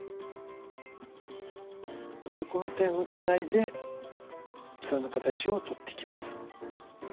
この点をつないで器の形を取っていきます。